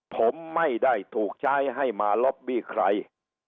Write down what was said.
ผมไม่ได้ถูกใช้ให้มาล็อบบี้ใคร